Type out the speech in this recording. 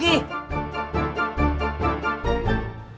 mendingan gue pergi